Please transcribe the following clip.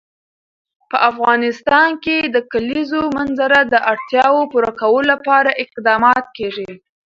په افغانستان کې د د کلیزو منظره د اړتیاوو پوره کولو لپاره اقدامات کېږي.